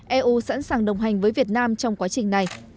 eu sẵn sàng đồng hành với việt nam trong quá trình này